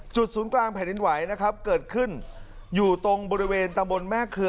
ศูนย์กลางแผ่นดินไหวนะครับเกิดขึ้นอยู่ตรงบริเวณตำบลแม่เครือ